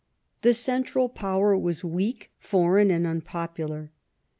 The central power was weak, foreign, and unpopular.